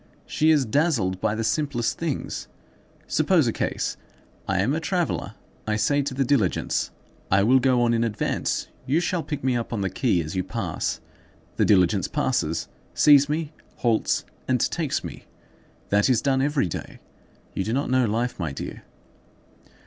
She is dazzled by the simplest things. Suppose a case: I am a traveller; I say to the diligence, 'I will go on in advance; you shall pick me up on the quay as you pass.' The diligence passes, sees me, halts, and takes me. That is done every day. You do not know life, my dear."